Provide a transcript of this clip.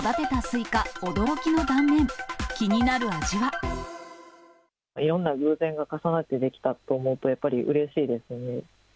いろんな偶然が重なってできたと思うと、やっぱりうれしいですね。